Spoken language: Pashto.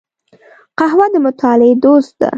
قهوه د مطالعې دوست ده